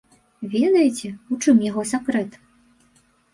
Ведаеце, у чым яго сакрэт?